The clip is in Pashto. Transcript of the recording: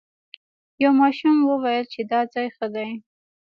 یو ماشوم وویل چې دا ځای ښه دی.